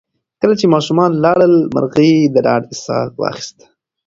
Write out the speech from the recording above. کله چې ماشومان لاړل، مرغۍ د ډاډ ساه واخیسته.